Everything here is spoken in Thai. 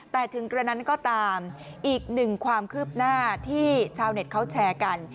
แต่ถึงกระนั้นก็ตามอีกหนึ่งความคืบหน้าที่ชาวเน็ตเขาแชร์กัน